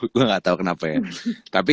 gue enggak tahu kenapa ya